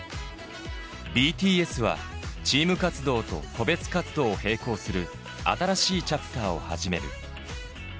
ＢＴＳはチーム活動と個別活動を並行する新しいチャプターを始める。